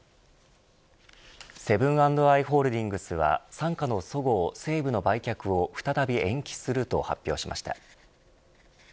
セブン＆アイ・ホールディングスは傘下のそごう・西武の売却を再び延期すると発表しました。